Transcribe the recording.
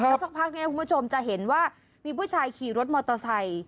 แล้วสักพักนี้คุณผู้ชมจะเห็นว่ามีผู้ชายขี่รถมอเตอร์ไซค์